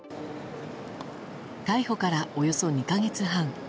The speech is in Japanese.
逮捕から、およそ２か月半。